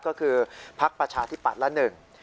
ก็คือพักประชาธิปัตย์ละหนึ่ง